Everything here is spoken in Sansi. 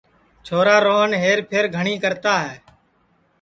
چھورا روہن ہئر پھئر گھٹؔی کرتا ہے